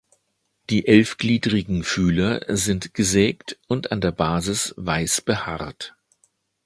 Die elfgliedrigen Fühler sind gesägt und an der Basis weiß behaart.